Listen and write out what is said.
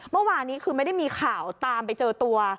เมื่อวานนี้คือไม่ได้มีข่าวตามไปเจอตัว